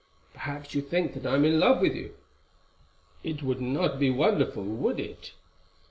Perhaps you think that I am in love with you. It would not be wonderful, would it?